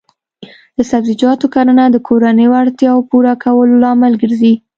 د سبزیجاتو کرنه د کورنیو اړتیاوو پوره کولو لامل ګرځي.